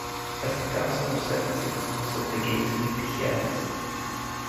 Las escamas son ausentes y los ojos son pequeños o vestigiales.